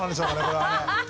これはね。